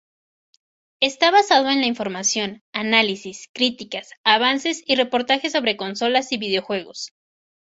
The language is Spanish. Está basado en la información, análisis, críticas, avances y reportajes sobre consolas y videojuegos.